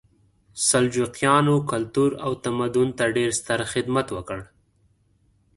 سلجوقیانو کلتور او تمدن ته ډېر ستر خدمت وکړ.